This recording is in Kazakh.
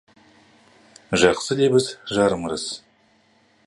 Жақсы лебіз — жарым ырыс.